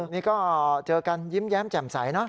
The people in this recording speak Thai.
นี่ก็เจอกันยิ้มแย้มแจ่มใสนะ